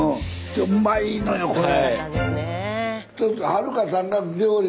うまいのよこれ。